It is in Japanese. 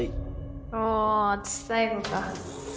おお私最後か。